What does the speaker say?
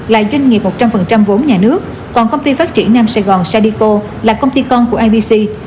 là doanh nghiệp một trăm linh vốn nhà nước còn công ty phát triển nam sài gòn sadeco là công ty con của ibc